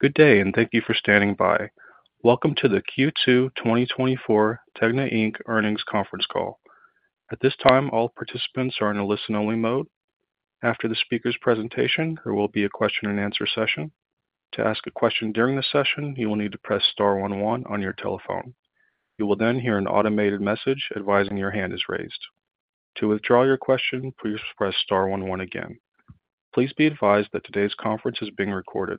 Good day, and thank you for standing by. Welcome to the Q2 2024 Tegna Inc. earnings conference call. At this time, all participants are in a listen-only mode. After the speaker's presentation, there will be a question-and-answer session. To ask a question during the session, you will need to press star one one on your telephone. You will then hear an automated message advising your hand is raised. To withdraw your question, please press star one one again. Please be advised that today's conference is being recorded.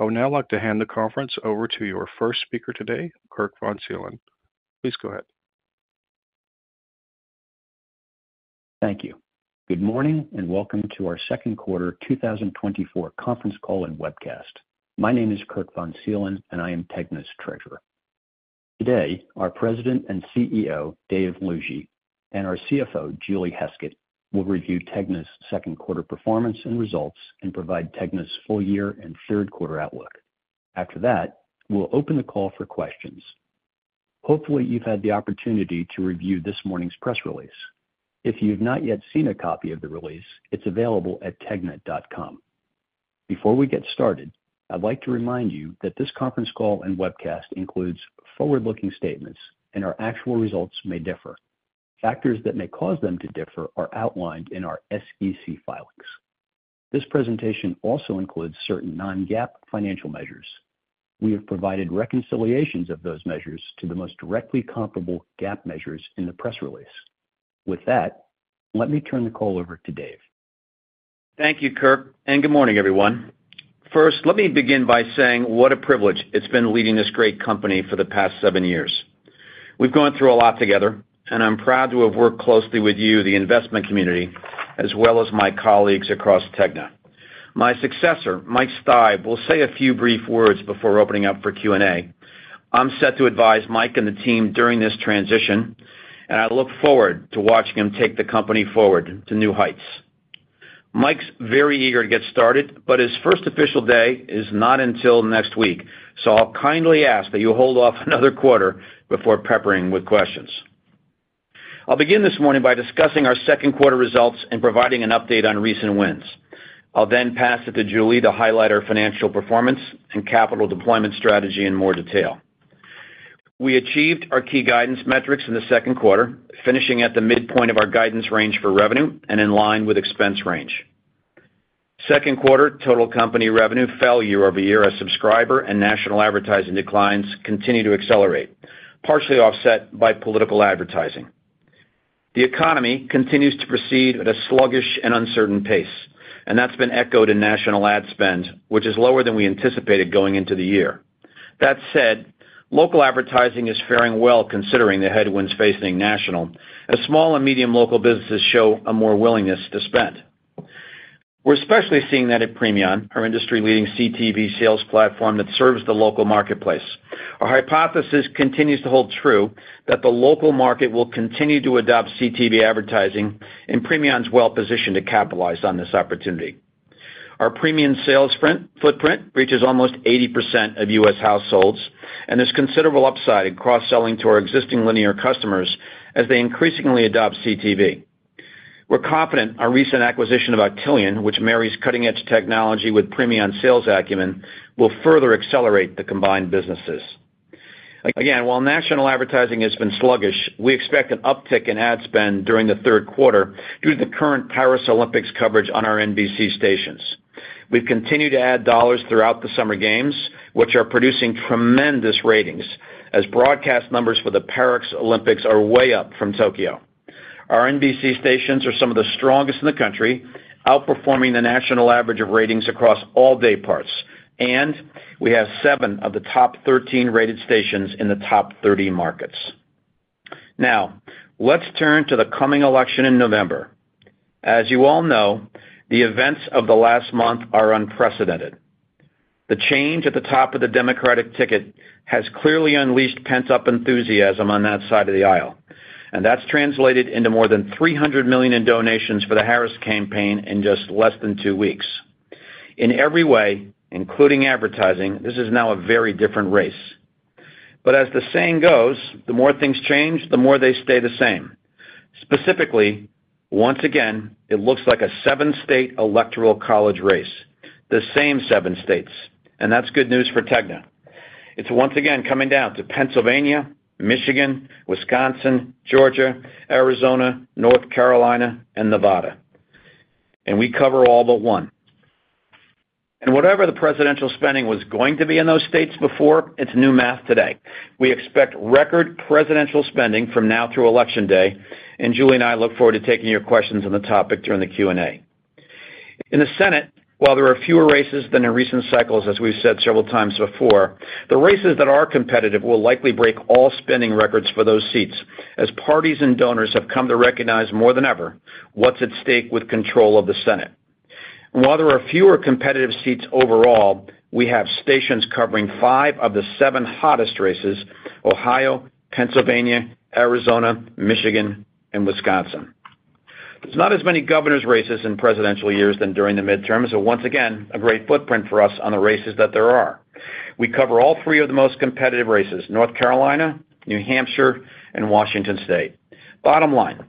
I would now like to hand the conference over to your first speaker today, Kirk von Seelen. Please go ahead. Thank you. Good morning and welcome to our second quarter 2024 conference call and webcast. My name is Kirk von Seelen, and I am Tegna's treasurer. Today, our president and CEO, Dave Lougee, and our CFO, Julie Heskett, will review Tegna's second quarter performance and results and provide Tegna's full year and third quarter outlook. After that, we'll open the call for questions. Hopefully, you've had the opportunity to review this morning's press release. If you've not yet seen a copy of the release, it's available at tegna.com. Before we get started, I'd like to remind you that this conference call and webcast includes forward-looking statements, and our actual results may differ. Factors that may cause them to differ are outlined in our SEC filings. This presentation also includes certain non-GAAP financial measures. We have provided reconciliations of those measures to the most directly comparable GAAP measures in the press release. With that, let me turn the call over to Dave. Thank you, Kirk, and good morning, everyone. First, let me begin by saying what a privilege it's been leading this great company for the past seven years. We've gone through a lot together, and I'm proud to have worked closely with you, the investment community, as well as my colleagues across Tegna. My successor, Mike Steib, will say a few brief words before opening up for Q&A. I'm set to advise Mike and the team during this transition, and I look forward to watching him take the company forward to new heights. Mike's very eager to get started, but his first official day is not until next week, so I'll kindly ask that you hold off another quarter before peppering with questions. I'll begin this morning by discussing our second quarter results and providing an update on recent wins. I'll then pass it to Julie to highlight our financial performance and capital deployment strategy in more detail. We achieved our key guidance metrics in the second quarter, finishing at the midpoint of our guidance range for revenue and in line with expense range. Second quarter total company revenue fell year-over-year as subscriber and national advertising declines continue to accelerate, partially offset by political advertising. The economy continues to proceed at a sluggish and uncertain pace, and that's been echoed in national ad spend, which is lower than we anticipated going into the year. That said, local advertising is faring well considering the headwinds facing national. As small and medium local businesses show a more willingness to spend, we're especially seeing that at Premion, our industry-leading CTV sales platform that serves the local marketplace. Our hypothesis continues to hold true that the local market will continue to adopt CTV advertising, and Premion's well-positioned to capitalize on this opportunity. Our Premion sales footprint reaches almost 80% of U.S. households and is considerable upside in cross-selling to our existing linear customers as they increasingly adopt CTV. We're confident our recent acquisition of Octillion, which marries cutting-edge technology with Premion sales acumen, will further accelerate the combined businesses. Again, while national advertising has been sluggish, we expect an uptick in ad spend during the third quarter due to the current Paris Olympics coverage on our NBC stations. We've continued to add dollars throughout the summer games, which are producing tremendous ratings as broadcast numbers for the Paris Olympics are way up from Tokyo. Our NBC stations are some of the strongest in the country, outperforming the national average of ratings across all day parts, and we have 7 of the top 13 rated stations in the top 30 markets. Now, let's turn to the coming election in November. As you all know, the events of the last month are unprecedented. The change at the top of the Democratic ticket has clearly unleashed pent-up enthusiasm on that side of the aisle, and that's translated into more than $300 million in donations for the Harris campaign in just less than two weeks. In every way, including advertising, this is now a very different race. But as the saying goes, the more things change, the more they stay the same. Specifically, once again, it looks like a 7-state electoral college race, the same seven states, and that's good news for Tegna. It's once again coming down to Pennsylvania, Michigan, Wisconsin, Georgia, Arizona, North Carolina, and Nevada, and we cover all but one. And whatever the presidential spending was going to be in those states before, it's new math today. We expect record presidential spending from now through election day, and Julie and I look forward to taking your questions on the topic during the Q&A. In the Senate, while there are fewer races than in recent cycles, as we've said several times before, the races that are competitive will likely break all spending records for those seats as parties and donors have come to recognize more than ever what's at stake with control of the Senate. While there are fewer competitive seats overall, we have stations covering five of the seven hottest races: Ohio, Pennsylvania, Arizona, Michigan, and Wisconsin. There's not as many governor's races in presidential years than during the midterms, so once again, a great footprint for us on the races that there are. We cover all three of the most competitive races: North Carolina, New Hampshire, and Washington State. Bottom line,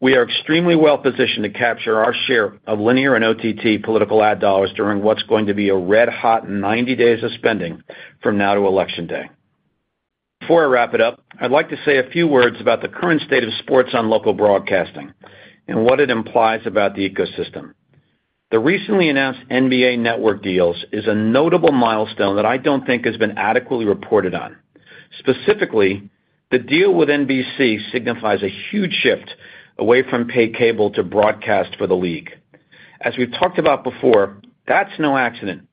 we are extremely well-positioned to capture our share of linear and OTT political ad dollars during what's going to be a red-hot 90 days of spending from now to election day. Before I wrap it up, I'd like to say a few words about the current state of sports on local broadcasting and what it implies about the ecosystem. The recently announced NBA network deals is a notable milestone that I don't think has been adequately reported on. Specifically, the deal with NBC signifies a huge shift away from pay cable to broadcast for the league. As we've talked about before, that's no accident.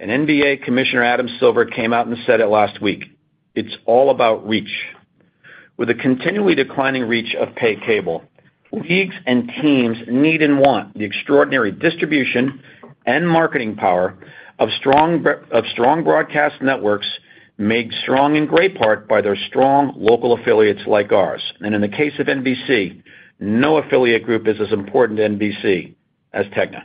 NBA Commissioner Adam Silver came out and said it last week, "It's all about reach." With the continually declining reach of pay cable, leagues and teams need and want the extraordinary distribution and marketing power of strong broadcast networks made strong in great part by their strong local affiliates like ours. And in the case of NBC, no affiliate group is as important to NBC as Tegna.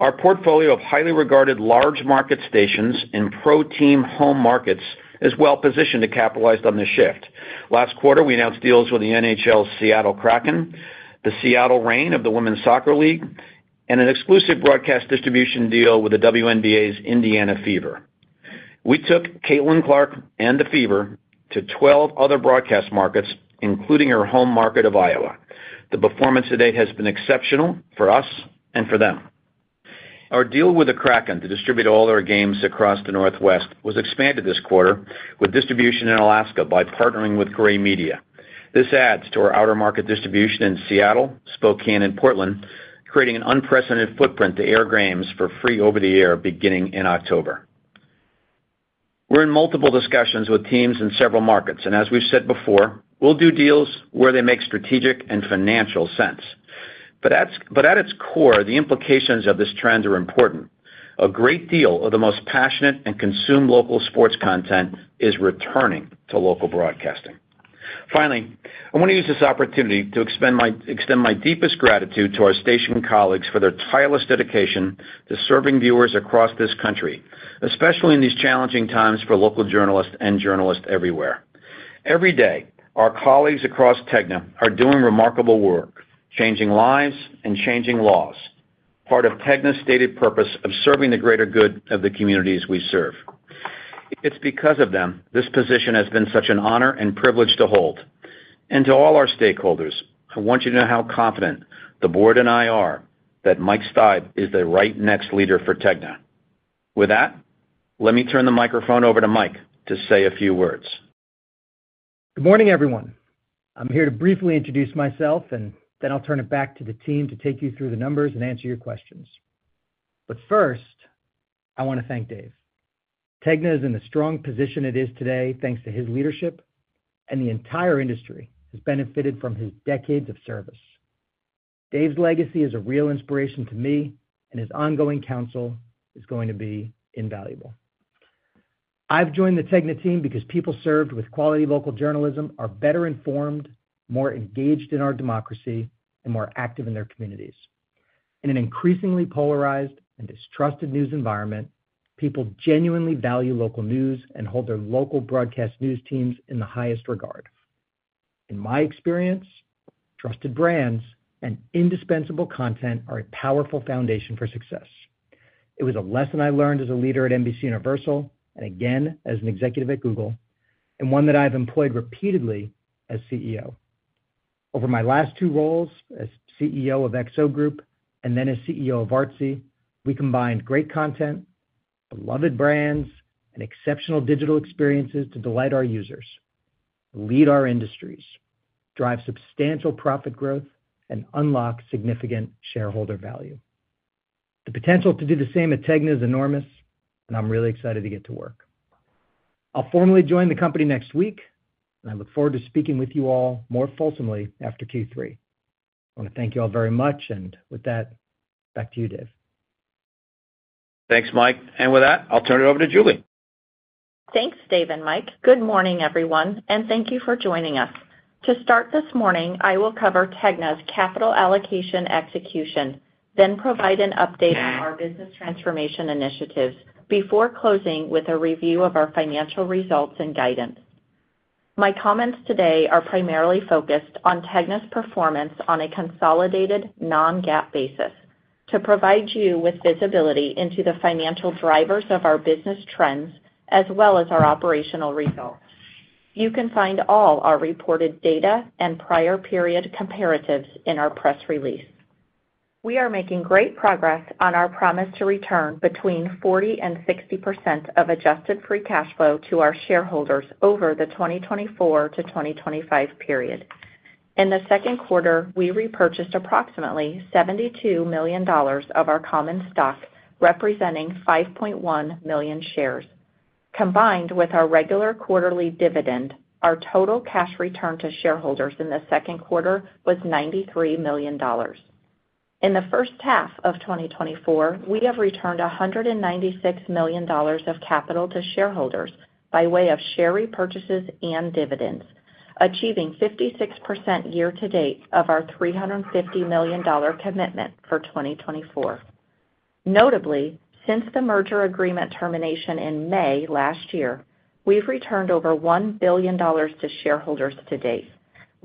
Our portfolio of highly regarded large market stations in pro-team home markets is well-positioned to capitalize on this shift. Last quarter, we announced deals with the NHL Seattle Kraken, the Seattle Reign of the Women's Soccer League, and an exclusive broadcast distribution deal with the WNBA's Indiana Fever. We took Caitlin Clark and the Fever to 12 other broadcast markets, including our home market of Iowa. The performance today has been exceptional for us and for them. Our deal with the Kraken to distribute all our games across the Northwest was expanded this quarter with distribution in Alaska by partnering with Gray Media. This adds to our outer market distribution in Seattle, Spokane, and Portland, creating an unprecedented footprint to air games for free over-the-air beginning in October. We're in multiple discussions with teams in several markets, and as we've said before, we'll do deals where they make strategic and financial sense. But at its core, the implications of this trend are important. A great deal of the most passionate and consumed local sports content is returning to local broadcasting. Finally, I want to use this opportunity to extend my deepest gratitude to our station colleagues for their tireless dedication to serving viewers across this country, especially in these challenging times for local journalists and journalists everywhere. Every day, our colleagues across Tegna are doing remarkable work, changing lives and changing laws, part of Tegna's stated purpose of serving the greater good of the communities we serve. It's because of them this position has been such an honor and privilege to hold. To all our stakeholders, I want you to know how confident the board and I are that Mike Steib is the right next leader for Tegna. With that, let me turn the microphone over to Mike to say a few words. Good morning, everyone. I'm here to briefly introduce myself, and then I'll turn it back to the team to take you through the numbers and answer your questions. But first, I want to thank Dave. Tegna is in the strong position it is today thanks to his leadership, and the entire industry has benefited from his decades of service. Dave's legacy is a real inspiration to me, and his ongoing counsel is going to be invaluable. I've joined the Tegna team because people served with quality local journalism are better informed, more engaged in our democracy, and more active in their communities. In an increasingly polarized and distrusted news environment, people genuinely value local news and hold their local broadcast news teams in the highest regard. In my experience, trusted brands and indispensable content are a powerful foundation for success. It was a lesson I learned as a leader at NBCUniversal, and again as an executive at Google, and one that I've employed repeatedly as CEO. Over my last two roles as CEO of XO Group and then as CEO of Artsy, we combined great content, beloved brands, and exceptional digital experiences to delight our users, lead our industries, drive substantial profit growth, and unlock significant shareholder value. The potential to do the same at Tegna is enormous, and I'm really excited to get to work. I'll formally join the company next week, and I look forward to speaking with you all more fulsomely after Q3. I want to thank you all very much, and with that, back to you, Dave. Thanks, Mike. And with that, I'll turn it over to Julie. Thanks, Dave and Mike. Good morning, everyone, and thank you for joining us. To start this morning, I will cover Tegna's capital allocation execution, then provide an update on our business transformation initiatives before closing with a review of our financial results and guidance. My comments today are primarily focused on Tegna's performance on a consolidated non-GAAP basis to provide you with visibility into the financial drivers of our business trends as well as our operational results. You can find all our reported data and prior period comparatives in our press release. We are making great progress on our promise to return between 40% and 60% of adjusted free cash flow to our shareholders over the 2024 to 2025 period. In the second quarter, we repurchased approximately $72 million of our common stock, representing 5.1 million shares. Combined with our regular quarterly dividend, our total cash return to shareholders in the second quarter was $93 million. In the first half of 2024, we have returned $196 million of capital to shareholders by way of share repurchases and dividends, achieving 56% year-to-date of our $350 million commitment for 2024. Notably, since the merger agreement termination in May last year, we've returned over $1 billion to shareholders to date.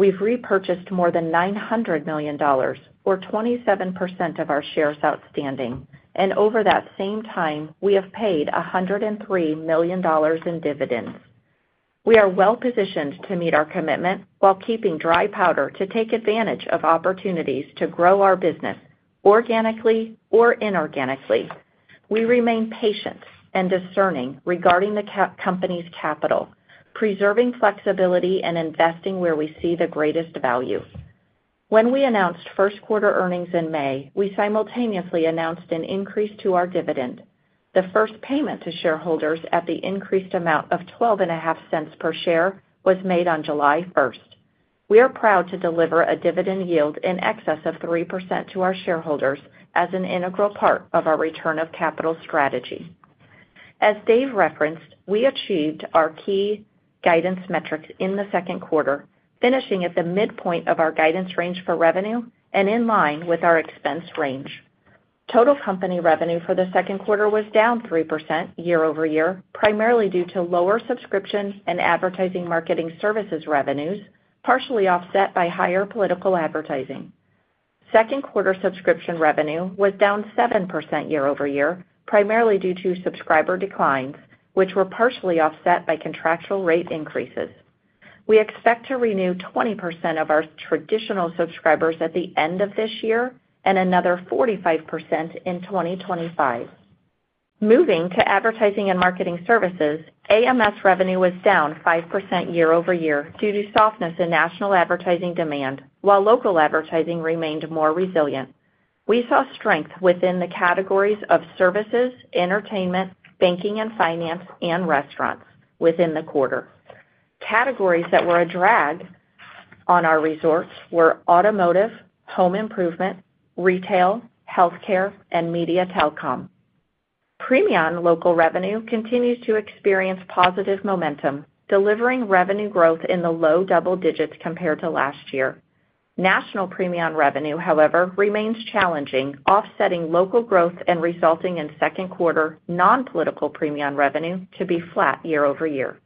We've repurchased more than $900 million, or 27% of our shares outstanding, and over that same time, we have paid $103 million in dividends. We are well-positioned to meet our commitment while keeping dry powder to take advantage of opportunities to grow our business organically or inorganically. We remain patient and discerning regarding the company's capital, preserving flexibility and investing where we see the greatest value. When we announced first quarter earnings in May, we simultaneously announced an increase to our dividend. The first payment to shareholders at the increased amount of $0.125 per share was made on July 1st. We are proud to deliver a dividend yield in excess of 3% to our shareholders as an integral part of our return of capital strategy. As Dave referenced, we achieved our key guidance metrics in the second quarter, finishing at the midpoint of our guidance range for revenue and in line with our expense range. Total company revenue for the second quarter was down 3% year-over-year, primarily due to lower subscription and advertising marketing services revenues, partially offset by higher political advertising. Second quarter subscription revenue was down 7% year-over-year, primarily due to subscriber declines, which were partially offset by contractual rate increases. We expect to renew 20% of our traditional subscribers at the end of this year and another 45% in 2025. Moving to advertising and marketing services, AMS revenue was down 5% year-over-year due to softness in national advertising demand, while local advertising remained more resilient. We saw strength within the categories of services, entertainment, banking and finance, and restaurants within the quarter. Categories that were a drag on our results were automotive, home improvement, retail, healthcare, and media telecom. Premion local revenue continues to experience positive momentum, delivering revenue growth in the low double digits compared to last year. National Premion revenue, however, remains challenging, offsetting local growth and resulting in second quarter non-political Premion revenue to be flat year-over-year.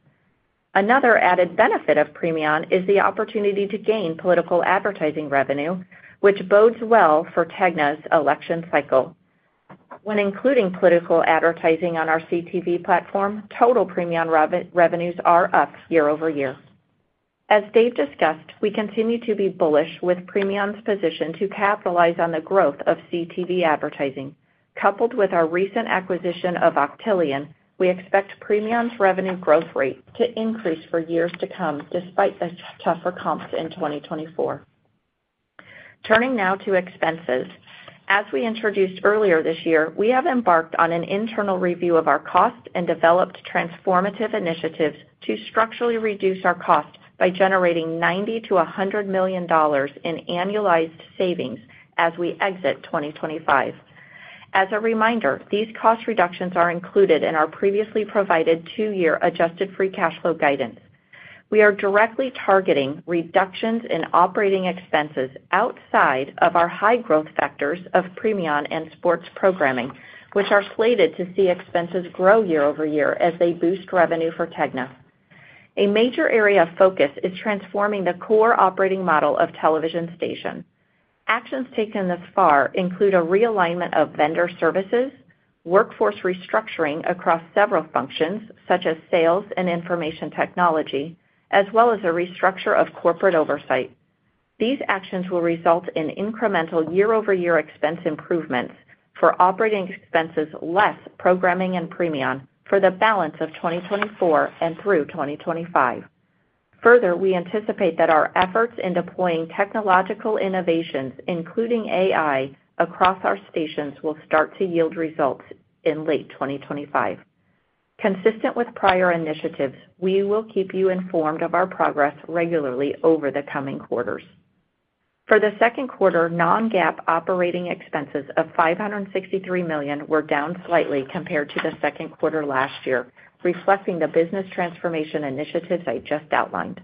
Another added benefit of Premion is the opportunity to gain political advertising revenue, which bodes well for Tegna's election cycle. When including political advertising on our CTV platform, total Premion revenues are up year-over-year. As Dave discussed, we continue to be bullish with Premion's position to capitalize on the growth of CTV advertising. Coupled with our recent acquisition of Octillion, we expect Premion's revenue growth rate to increase for years to come despite the tougher comps in 2024. Turning now to expenses. As we introduced earlier this year, we have embarked on an internal review of our costs and developed transformative initiatives to structurally reduce our costs by generating $90-$100 million in annualized savings as we exit 2025. As a reminder, these cost reductions are included in our previously provided two-year Adjusted Free Cash Flow guidance. We are directly targeting reductions in operating expenses outside of our high growth factors of Premion and sports programming, which are slated to see expenses grow year-over-year as they boost revenue for Tegna. A major area of focus is transforming the core operating model of television station. Actions taken thus far include a realignment of vendor services, workforce restructuring across several functions such as sales and information technology, as well as a restructure of corporate oversight. These actions will result in incremental year-over-year expense improvements for operating expenses less programming and Premion for the balance of 2024 and through 2025. Further, we anticipate that our efforts in deploying technological innovations, including AI, across our stations will start to yield results in late 2025. Consistent with prior initiatives, we will keep you informed of our progress regularly over the coming quarters. For the second quarter, non-GAAP operating expenses of $563 million were down slightly compared to the second quarter last year, reflecting the business transformation initiatives I just outlined.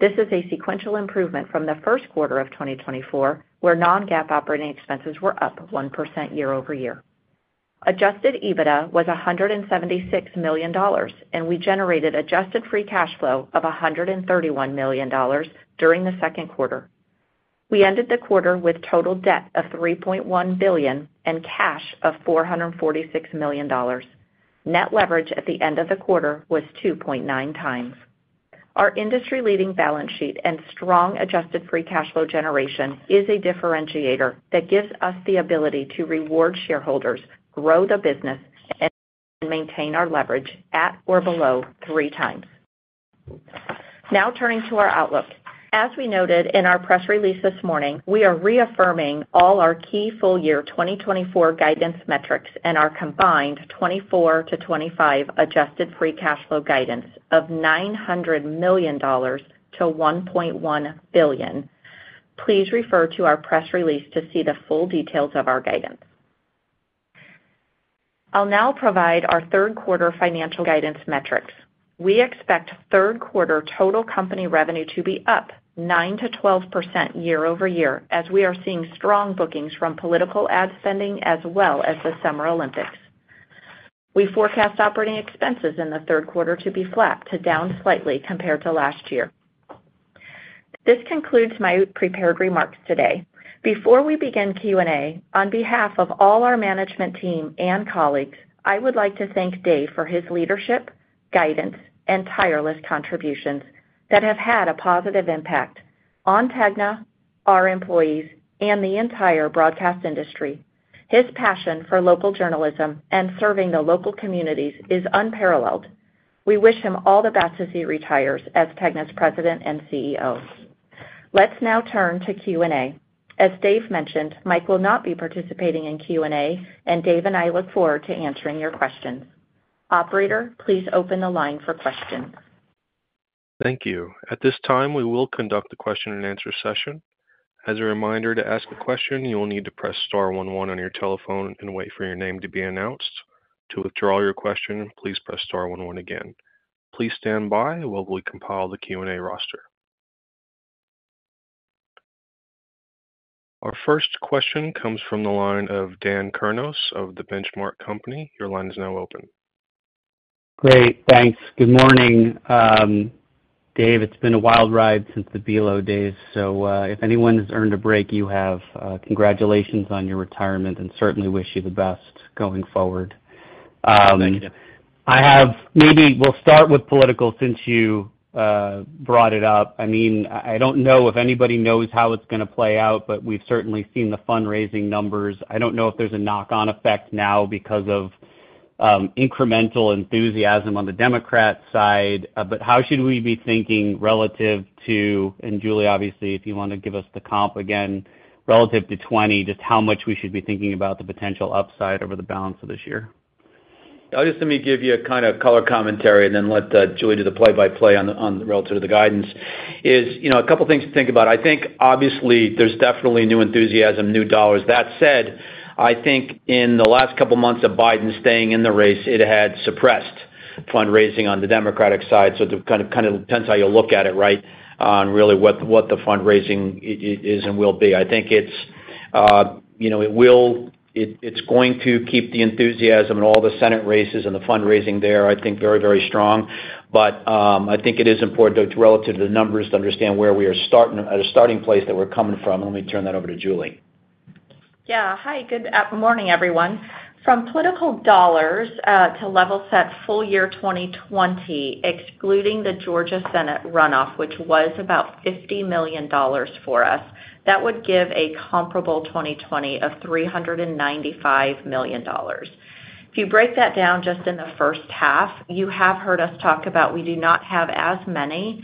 This is a sequential improvement from the first quarter of 2024, where non-GAAP operating expenses were up 1% year-over-year. Adjusted EBITDA was $176 million, and we generated adjusted free cash flow of $131 million during the second quarter. We ended the quarter with total debt of $3.1 billion and cash of $446 million. Net leverage at the end of the quarter was 2.9 times. Our industry-leading balance sheet and strong adjusted free cash flow generation is a differentiator that gives us the ability to reward shareholders, grow the business, and maintain our leverage at or below three times. Now turning to our outlook. As we noted in our press release this morning, we are reaffirming all our key full-year 2024 guidance metrics and our combined 2024-2025 adjusted free cash flow guidance of $900 million-$1.1 billion. Please refer to our press release to see the full details of our guidance. I'll now provide our third quarter financial guidance metrics. We expect third quarter total company revenue to be up 9%-12% year-over-year as we are seeing strong bookings from political ad spending as well as the Summer Olympics. We forecast operating expenses in the third quarter to be flat to down slightly compared to last year. This concludes my prepared remarks today. Before we begin Q&A, on behalf of all our management team and colleagues, I would like to thank Dave for his leadership, guidance, and tireless contributions that have had a positive impact on Tegna, our employees, and the entire broadcast industry. His passion for local journalism and serving the local communities is unparalleled. We wish him all the best as he retires as Tegna's President and CEO. Let's now turn to Q&A. As Dave mentioned, Mike will not be participating in Q&A, and Dave and I look forward to answering your questions. Operator, please open the line for questions. Thank you. At this time, we will conduct the question and answer session. As a reminder to ask a question, you will need to press star one one on your telephone and wait for your name to be announced. To withdraw your question, please press star one one again. Please stand by while we compile the Q&A roster. Our first question comes from the line of Dan Kurnos of The Benchmark Company. Your line is now open. Great. Thanks. Good morning. Dave, it's been a wild ride since the Belo days. So if anyone has earned a break, you have. Congratulations on your retirement and certainly wish you the best going forward. I have noted, we'll start with political since you brought it up. I mean, I don't know if anybody knows how it's going to play out, but we've certainly seen the fundraising numbers. I don't know if there's a knock-on effect now because of incremental enthusiasm on the Democrat side. But how should we be thinking relative to, and Julie, obviously, if you want to give us the comp again, relative to 2020, just how much we should be thinking about the potential upside over the balance of this year? I'll just let me give you a kind of color commentary and then let Julie do the play-by-play relative to the guidance. A couple of things to think about. I think, obviously, there's definitely new enthusiasm, new dollars. That said, I think in the last couple of months of Biden staying in the race, it had suppressed fundraising on the Democratic side. So it kind of depends how you look at it, right, on really what the fundraising is and will be. I think it's going to keep the enthusiasm and all the Senate races and the fundraising there, I think, very, very strong. But I think it is important relative to the numbers to understand where we are starting at a starting place that we're coming from. Let me turn that over to Julie. Yeah. Hi, good morning, everyone. From political dollars to level set full year 2020, excluding the Georgia Senate runoff, which was about $50 million for us, that would give a comparable 2020 of $395 million. If you break that down just in the first half, you have heard us talk about we do not have as many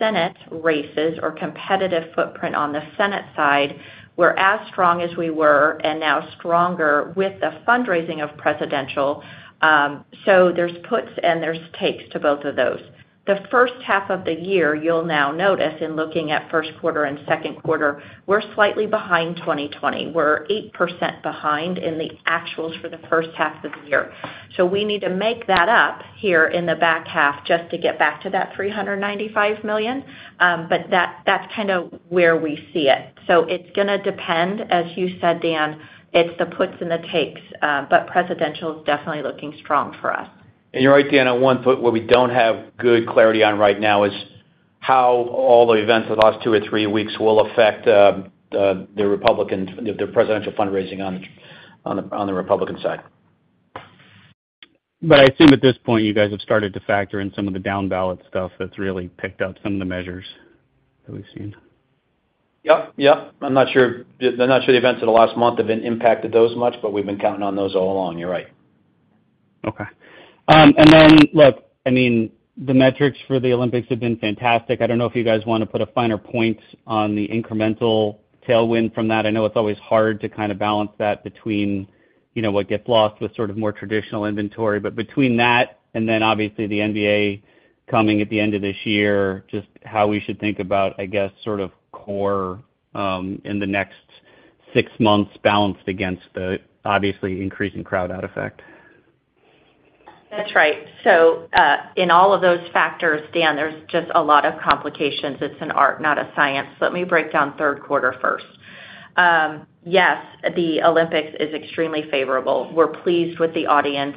Senate races or competitive footprint on the Senate side. We're as strong as we were and now stronger with the fundraising of presidential. So there's puts and there's takes to both of those. The first half of the year, you'll now notice in looking at first quarter and second quarter, we're slightly behind 2020. We're 8% behind in the actuals for the first half of the year. So we need to make that up here in the back half just to get back to that $395 million. But that's kind of where we see it. So it's going to depend, as you said, Dan, it's the puts and the takes, but presidential is definitely looking strong for us. You're right, Dan. One thing that we don't have good clarity on right now is how all the events of the last two or three weeks will affect the Republican presidential fundraising on the Republican side. I assume at this point, you guys have started to factor in some of the down-ballot stuff that's really picked up some of the measures that we've seen. Yep. Yep. I'm not sure the events of the last month have been impacted those much, but we've been counting on those all along. You're right. Okay. And then, look, I mean, the metrics for the Olympics have been fantastic. I don't know if you guys want to put a finer point on the incremental tailwind from that. I know it's always hard to kind of balance that between what gets lost with sort of more traditional inventory. But between that and then, obviously, the NBA coming at the end of this year, just how we should think about, I guess, sort of core in the next six months balanced against the, obviously, increasing crowd-out effect. That's right. So in all of those factors, Dan, there's just a lot of complications. It's an art, not a science. Let me break down third quarter first. Yes, the Olympics is extremely favorable. We're pleased with the audience,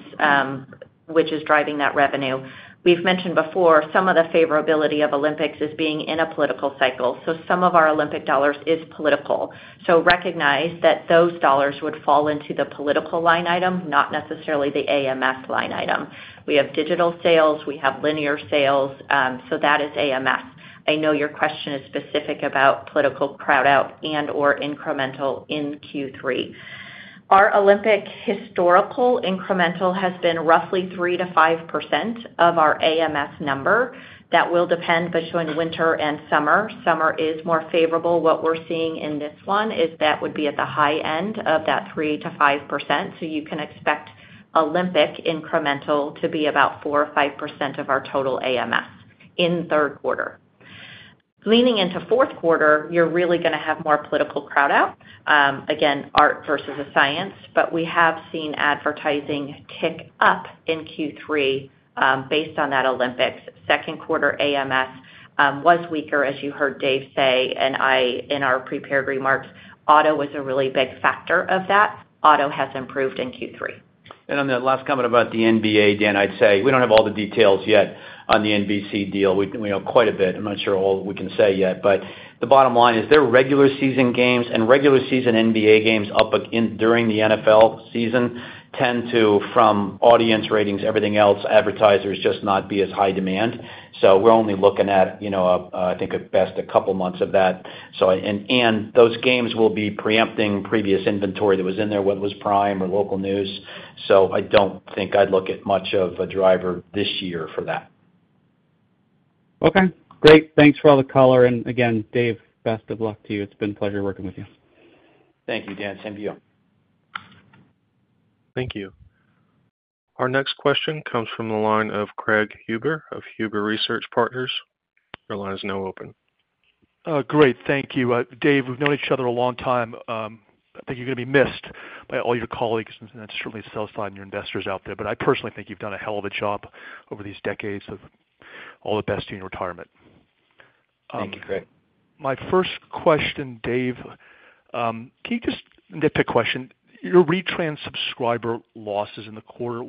which is driving that revenue. We've mentioned before some of the favorability of Olympics is being in a political cycle. So some of our Olympic dollars is political. So recognize that those dollars would fall into the political line item, not necessarily the AMS line item. We have digital sales. We have linear sales. So that is AMS. I know your question is specific about political crowd-out and/or incremental in Q3. Our Olympic historical incremental has been roughly 3%-5% of our AMS number. That will depend, but showing winter and summer. Summer is more favorable. What we're seeing in this one is that would be at the high end of that 3%-5%. So you can expect Olympic incremental to be about 4% or 5% of our total AMS in third quarter. Leaning into fourth quarter, you're really going to have more political crowd-out. Again, art versus a science, but we have seen advertising tick up in Q3 based on that Olympics. Second quarter AMS was weaker, as you heard Dave say, and in our prepared remarks, auto was a really big factor of that. Auto has improved in Q3. On the last comment about the NBA, Dan, I'd say we don't have all the details yet on the NBC deal. We know quite a bit. I'm not sure all we can say yet. But the bottom line is there are regular season games and regular season NBA games up during the NFL season tend to, from audience ratings, everything else, advertisers just not be as high demand. So we're only looking at, I think, at best a couple of months of that. And those games will be preempting previous inventory that was in there, whether it was Prime or local news. So I don't think I'd look at much of a driver this year for that. Okay. Great. Thanks for all the color. Again, Dave, best of luck to you. It's been a pleasure working with you. Thank you, Dan. Same to you. Thank you. Our next question comes from the line of Craig Huber of Huber Research Partners. Your line is now open. Great. Thank you. Dave, we've known each other a long time. I think you're going to be missed by all your colleagues and certainly sell-side and your investors out there. But I personally think you've done a hell of a job over these decades. All the best in your retirement. Thank you, Craig. My first question, Dave, can you just next question? Your retrans subscriber losses in the quarter,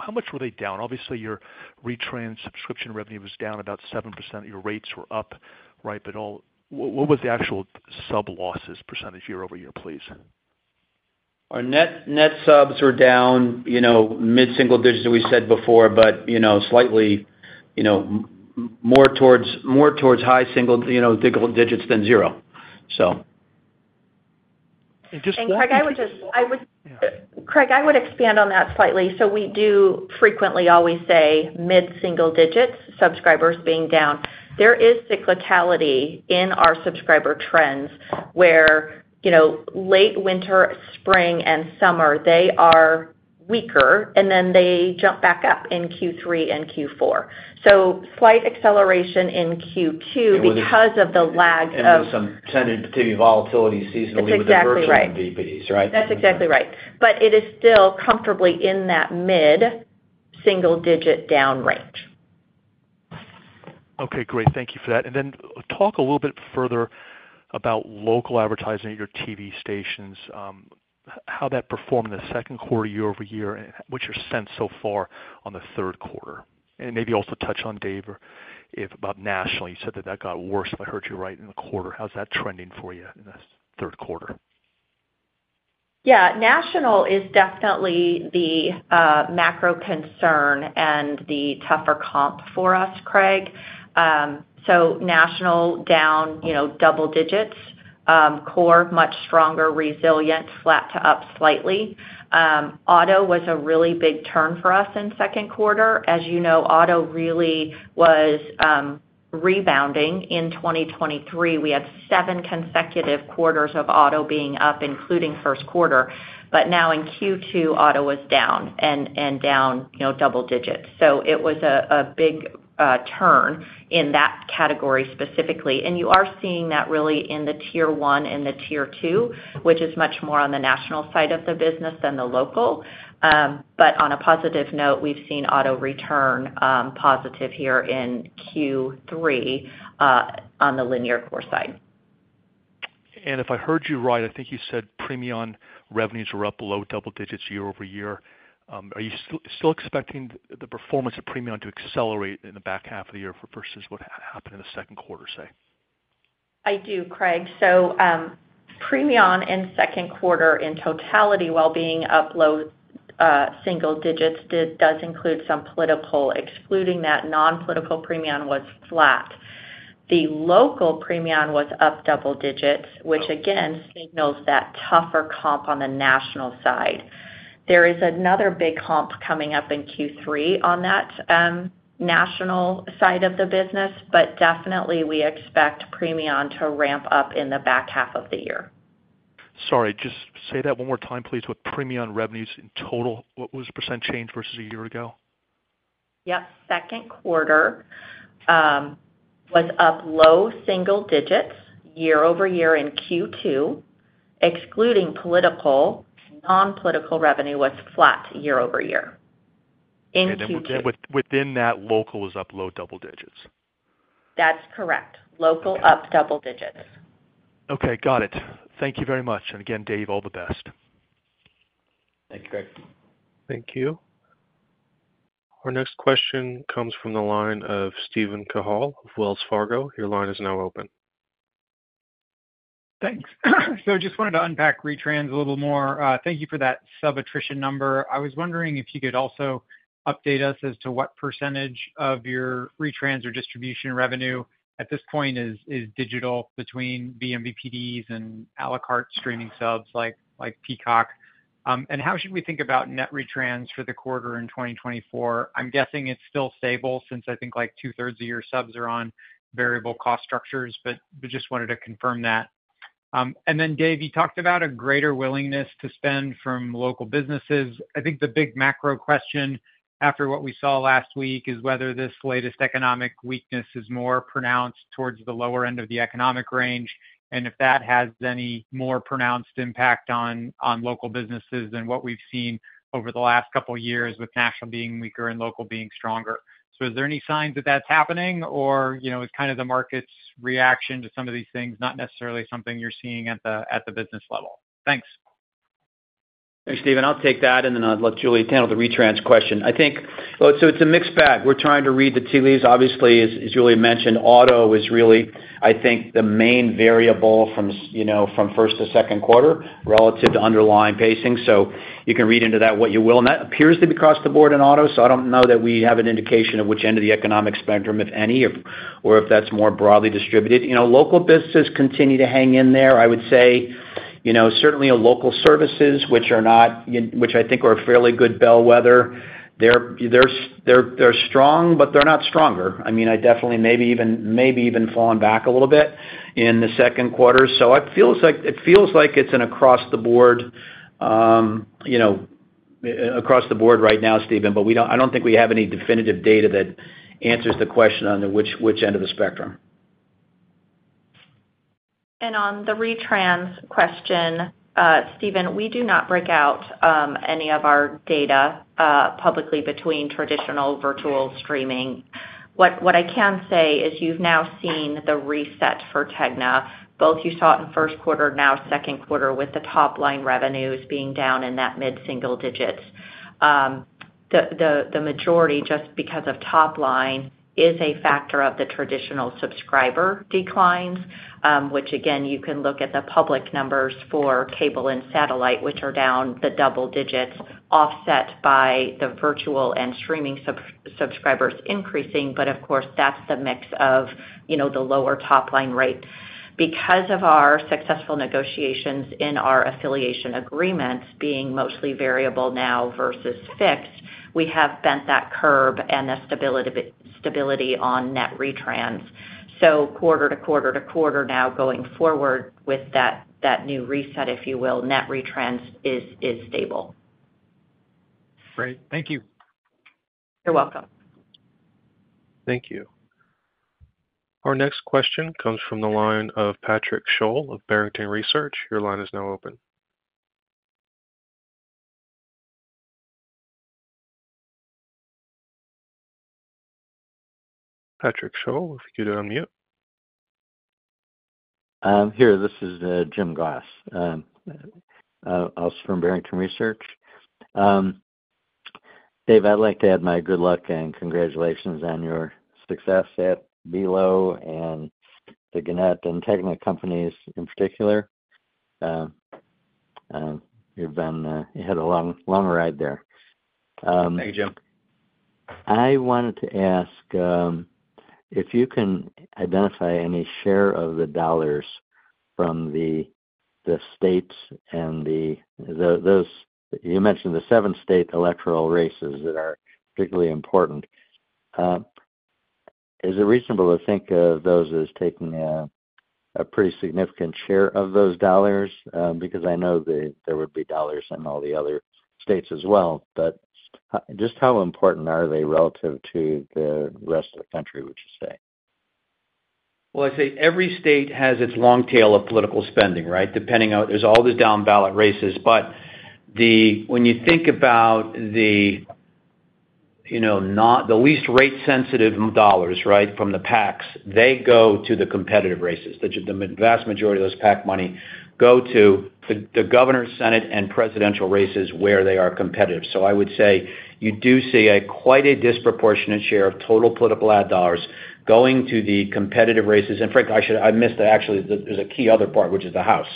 how much were they down? Obviously, your retrans subscription revenue was down about 7%. Your rates were up, right? But what was the actual sub losses percentage year-over-year, please? Our net subs were down mid-single digits, we said before, but slightly more towards high single digits than zero, so. Craig, I would expand on that slightly. So we do frequently always say mid-single-digit subscribers being down. There is cyclicality in our subscriber trends where late winter, spring, and summer, they are weaker, and then they jump back up in Q3 and Q4. So slight acceleration in Q2 because of the lag of. Some tentative volatility seasonally with the vMVPDs, right? That's exactly right. But it is still comfortably in that mid-single digit down range. Okay. Great. Thank you for that. Then talk a little bit further about local advertising at your TV stations, how that performed the second quarter year over year, and what's your sense so far on the third quarter? And maybe also touch on Dave about national. You said that that got worse, if I heard you right, in the quarter. How's that trending for you in the third quarter? Yeah. National is definitely the macro concern and the tougher comp for us, Craig. So national down double digits. Core much stronger, resilient, flat to up slightly. Auto was a really big turn for us in second quarter. As you know, auto really was rebounding in 2023. We had 7 consecutive quarters of auto being up, including first quarter. But now in Q2, auto was down and down double digits. So it was a big turn in that category specifically. And you are seeing that really in the tier one and the tier two, which is much more on the national side of the business than the local. But on a positive note, we've seen auto return positive here in Q3 on the linear core side. If I heard you right, I think you said Premion revenues were up below double digits year-over-year. Are you still expecting the performance of Premion to accelerate in the back half of the year versus what happened in the second quarter, say? I do, Craig. So Premion in second quarter in totality, while being up low single digits, does include some political. Excluding that, non-political Premion was flat. The local Premion was up double digits, which again signals that tougher comp on the national side. There is another big comp coming up in Q3 on that national side of the business, but definitely we expect Premion to ramp up in the back half of the year. Sorry, just say that one more time, please. With Premion revenues in total, what was the % change versus a year ago? Yep. Second quarter was up low single digits year-over-year in Q2. Excluding political, non-political revenue was flat year-over-year. In Q2. And again, within that, local was up low double digits. That's correct. Local up double digits. Okay. Got it. Thank you very much. And again, Dave, all the best. Thank you, Craig. Thank you. Our next question comes from the line of Steven Cahall of Wells Fargo. Your line is now open. Thanks. So just wanted to unpack retrans a little more. Thank you for that sub-attrition number. I was wondering if you could also update us as to what percentage of your retrans or distribution revenue at this point is digital between vMVPDs and à la carte streaming subs like Peacock. And how should we think about net retrans for the quarter in 2024? I'm guessing it's still stable since I think like two-thirds of your subs are on variable cost structures, but just wanted to confirm that. And then, Dave, you talked about a greater willingness to spend from local businesses. I think the big macro question after what we saw last week is whether this latest economic weakness is more pronounced towards the lower end of the economic range and if that has any more pronounced impact on local businesses than what we've seen over the last couple of years with national being weaker and local being stronger. So is there any signs that that's happening or it's kind of the market's reaction to some of these things, not necessarily something you're seeing at the business level? Thanks. Thanks, Steven. I'll take that and then I'll let Julie handle the retrans question. I think it's a mixed bag. We're trying to read the tea leaves. Obviously, as Julie mentioned, auto is really, I think, the main variable from first to second quarter relative to underlying pacing. So you can read into that what you will. That appears to be across the board in auto. So I don't know that we have an indication of which end of the economic spectrum, if any, or if that's more broadly distributed. Local businesses continue to hang in there. I would say certainly local services, which are not, which I think are fairly good bellwether, they're strong, but they're not stronger. I mean, I definitely maybe even fallen back a little bit in the second quarter. It feels like it's an across the board across the board right now, Steven, but I don't think we have any definitive data that answers the question on which end of the spectrum. On the retrans question, Steven, we do not break out any of our data publicly between traditional virtual streaming. What I can say is you've now seen the reset for Tegna. Both you saw it in first quarter, now second quarter with the top-line revenues being down in that mid-single digits. The majority, just because of top-line, is a factor of the traditional subscriber declines, which again, you can look at the public numbers for cable and satellite, which are down in the double digits offset by the virtual and streaming subscribers increasing. But of course, that's the mix of the lower top-line rate. Because of our successful negotiations in our affiliation agreements being mostly variable now versus fixed, we have bent that curve and the stability on net retrans. Quarter to quarter to quarter now going forward with that new reset, if you will, net retrans is stable. Great. Thank you. You're welcome. Thank you. Our next question comes from the line of Patrick Sholl of Barrington Research. Your line is now open. Patrick Sholl, if you could unmute. I'm here. This is Jim Goss. I'll start from Barrington Research. Dave, I'd like to add my good luck and congratulations on your success at Belo and the Gannett and Tegna companies in particular. You've had a long ride there. Thank you, Jim. I wanted to ask if you can identify any share of the dollars from the states and the—you mentioned the seven state electoral races that are particularly important. Is it reasonable to think of those as taking a pretty significant share of those dollars? Because I know there would be dollars in all the other states as well. But just how important are they relative to the rest of the country we just say? Well, I say every state has its long tail of political spending, right? There's all these down-ballot races. But when you think about the least rate-sensitive dollars, right, from the PACs, they go to the competitive races. The vast majority of those PAC money go to the governor, Senate, and presidential races where they are competitive. So I would say you do see quite a disproportionate share of total political ad dollars going to the competitive races. And frankly, I missed that actually, there's a key other part, which is the House,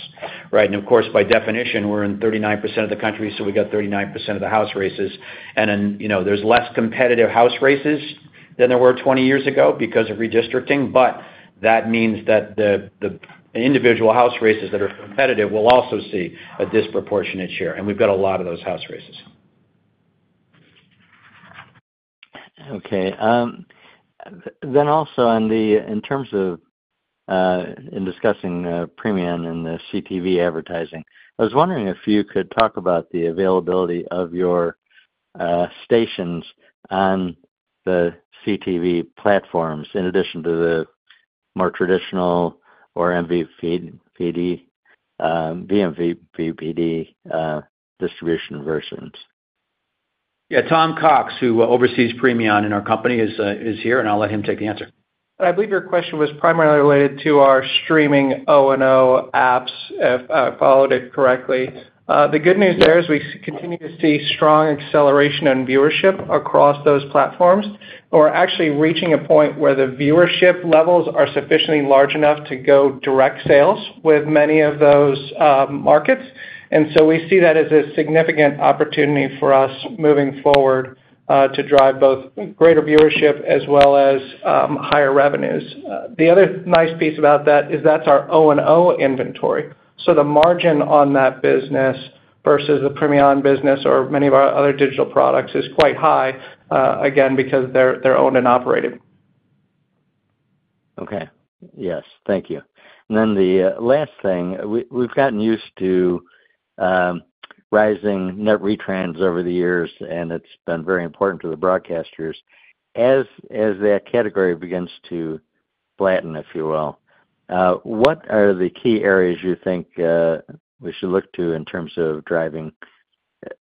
right? And of course, by definition, we're in 39% of the country, so we got 39% of the House races. And then there's less competitive House races than there were 20 years ago because of redistricting. But that means that the individual House races that are competitive will also see a disproportionate share. We've got a lot of those House races. Okay. Then also in terms of discussing Premion and the CTV advertising, I was wondering if you could talk about the availability of your stations on the CTV platforms in addition to the more traditional or vMVPD distribution versions? Yeah. Tom Cox, who oversees Premion in our company, is here, and I'll let him take the answer. I believe your question was primarily related to our streaming O&O apps, if I followed it correctly. The good news there is we continue to see strong acceleration in viewership across those platforms. We're actually reaching a point where the viewership levels are sufficiently large enough to go direct sales with many of those markets. And so we see that as a significant opportunity for us moving forward to drive both greater viewership as well as higher revenues. The other nice piece about that is that's our O&O inventory. So the margin on that business versus the Premion business or many of our other digital products is quite high, again, because they're owned and operated. Okay. Yes. Thank you. And then the last thing, we've gotten used to rising net retrans over the years, and it's been very important to the broadcasters. As that category begins to flatten, if you will, what are the key areas you think we should look to in terms of driving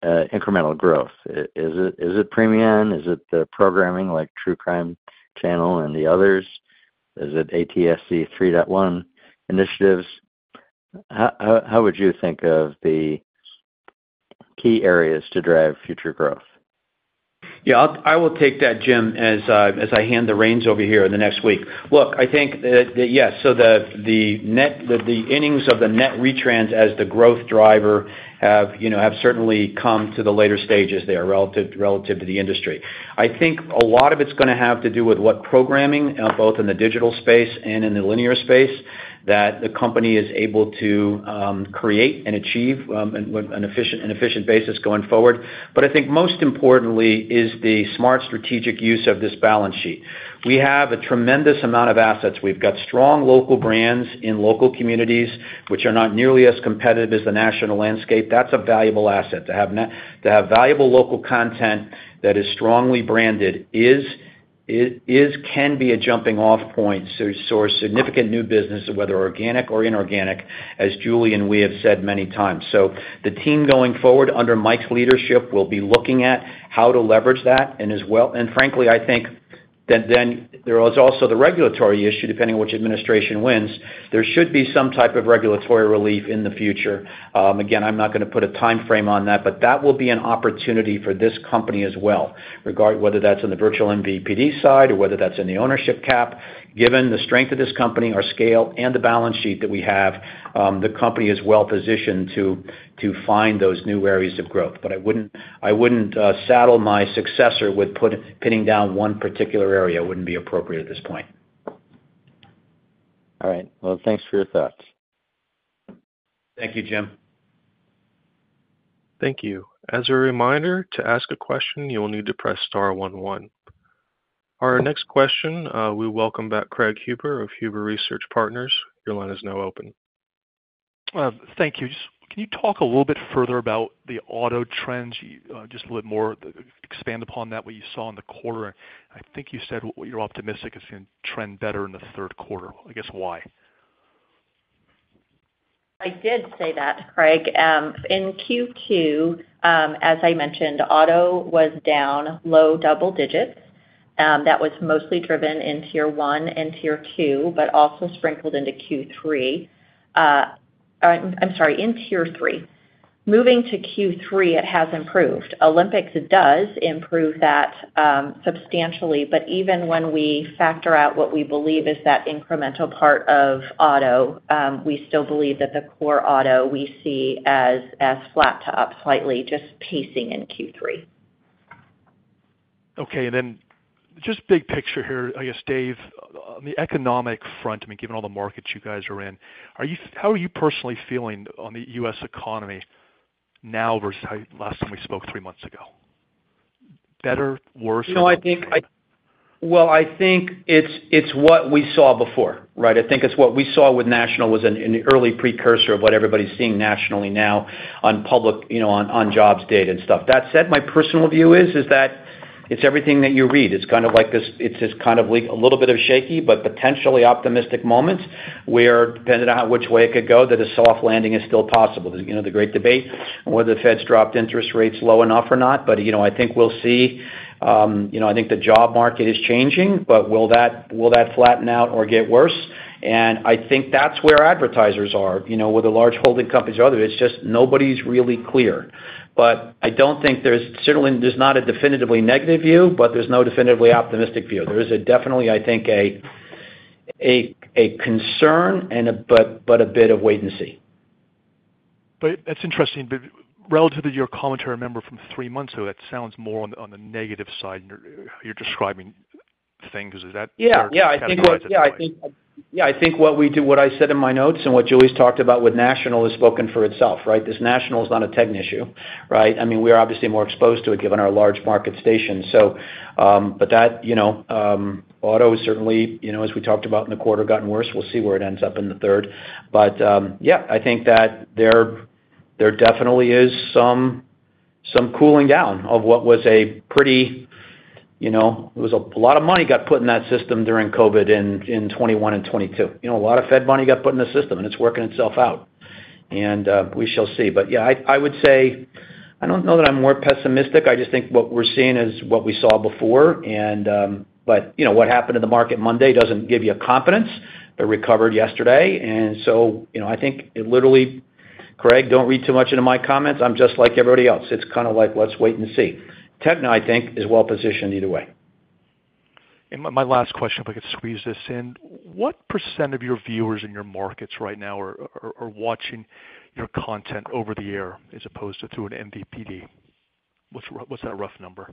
incremental growth? Is it Premion? Is it the programming like True Crime Network and the others? Is it ATSC 3.1 initiatives? How would you think of the key areas to drive future growth? Yeah. I will take that, Jim, as I hand the reins over here in the next week. Look, I think that, yes. So the innings of the net retrans as the growth driver have certainly come to the later stages there relative to the industry. I think a lot of it's going to have to do with what programming, both in the digital space and in the linear space, that the company is able to create and achieve on an efficient basis going forward. But I think most importantly is the smart strategic use of this balance sheet. We have a tremendous amount of assets. We've got strong local brands in local communities, which are not nearly as competitive as the national landscape. That's a valuable asset. To have valuable local content that is strongly branded can be a jumping-off point to source significant new business, whether organic or inorganic, as Julie and we have said many times. The team going forward under Mike's leadership will be looking at how to leverage that. Frankly, I think that then there is also the regulatory issue depending on which administration wins. There should be some type of regulatory relief in the future. Again, I'm not going to put a timeframe on that, but that will be an opportunity for this company as well, regarding whether that's on the virtual MVPD side or whether that's in the ownership cap. Given the strength of this company, our scale, and the balance sheet that we have, the company is well-positioned to find those new areas of growth. I wouldn't saddle my successor with pinning down one particular area. It wouldn't be appropriate at this point. All right. Well, thanks for your thoughts. Thank you, Jim. Thank you. As a reminder, to ask a question, you will need to press star one one. Our next question, we welcome back Craig Huber of Huber Research Partners. Your line is now open. Thank you. Just can you talk a little bit further about the auto trends, just a little bit more expand upon that, what you saw in the quarter? I think you said you're optimistic it's going to trend better in the third quarter. I guess why? I did say that, Craig. In Q2, as I mentioned, auto was down low double digits. That was mostly driven in tier one and tier two, but also sprinkled into Q3. I'm sorry, in tier three. Moving to Q3, it has improved. Olympics does improve that substantially. But even when we factor out what we believe is that incremental part of auto, we still believe that the core auto we see as flat to up slightly, just pacing in Q3. Okay. And then just big picture here, I guess, Dave, on the economic front, I mean, given all the markets you guys are in, how are you personally feeling on the U.S. economy now versus last time we spoke three months ago? Better, worse? Well, I think it's what we saw before, right? I think it's what we saw with national was an early precursor of what everybody's seeing nationally now on jobs data and stuff. That said, my personal view is that it's everything that you read. It's kind of like this. It's kind of like a little bit of shaky, but potentially optimistic moments where depending on which way it could go, that a soft landing is still possible. The great debate whether the Fed's dropped interest rates low enough or not. But I think we'll see. I think the job market is changing, but will that flatten out or get worse? And I think that's where advertisers are with the large holding companies or others. It's just nobody's really clear. But I don't think there's certainly not a definitively negative view, but there's no definitively optimistic view. There is definitely, I think, a concern, but a bit of wait and see. That's interesting. But relative to your commentary number from three months ago, that sounds more on the negative side you're describing things. Is that correct? Yeah. Yeah. I think what we do, what I said in my notes and what Julie's talked about with national has spoken for itself, right? This national is not a tech issue, right? I mean, we're obviously more exposed to it given our large market station. But that auto has certainly, as we talked about in the quarter, gotten worse. We'll see where it ends up in the third. But yeah, I think that there definitely is some cooling down of what was a pretty—it was a lot of money got put in that system during COVID in 2021 and 2022. A lot of Fed money got put in the system, and it's working itself out. And we shall see. But yeah, I would say I don't know that I'm more pessimistic. I just think what we're seeing is what we saw before. But what happened to the market Monday doesn't give you confidence. It recovered yesterday. And so I think, literally, Craig, don't read too much into my comments. I'm just like everybody else. It's kind of like, let's wait and see. Tegna, I think, is well-positioned either way. My last question, if I could squeeze this in. What % of your viewers in your markets right now are watching your content over the air as opposed to through an MVPD? What's that rough number?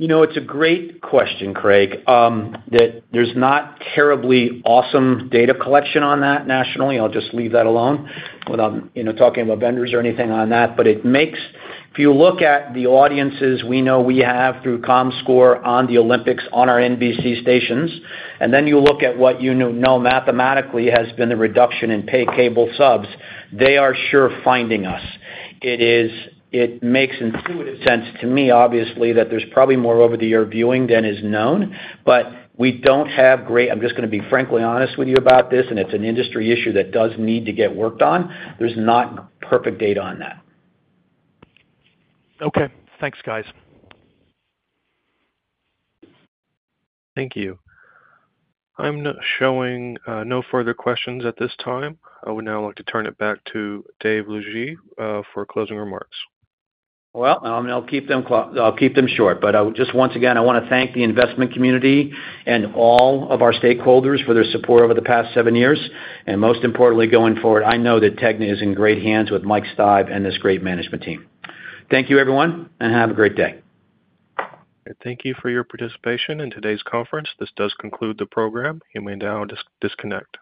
It's a great question, Craig, that there's not terribly awesome data collection on that nationally. I'll just leave that alone without talking about vendors or anything on that. But if you look at the audiences we know we have through Comscore on the Olympics on our NBC stations, and then you look at what you know mathematically has been the reduction in pay cable subs, they are sure finding us. It makes intuitive sense to me, obviously, that there's probably more over-the-air viewing than is known. But we don't have great. I'm just going to be frankly honest with you about this, and it's an industry issue that does need to get worked on. There's not perfect data on that. Okay. Thanks, guys. Thank you. I'm not showing no further questions at this time. I would now like to turn it back to Dave Lougee for closing remarks. Well, I'll keep them short. Just once again, I want to thank the investment community and all of our stakeholders for their support over the past seven years. Most importantly, going forward, I know that Tegna is in great hands with Mike Steib and this great management team. Thank you, everyone, and have a great day. Thank you for your participation in today's conference. This does conclude the program. You may now disconnect.